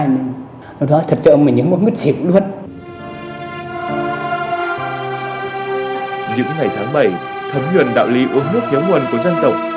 mình làm mình xa